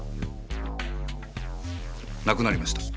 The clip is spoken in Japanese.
なくなりました。